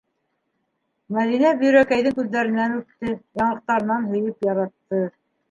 - Мәҙинә Бөйрәкәйҙең күҙҙәренән үпте, яңаҡтарынан һөйөп яратты.